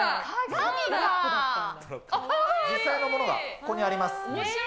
実際のものがここにあります。